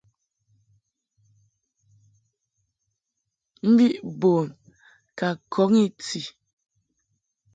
Mbi bun ka kɔn I ti.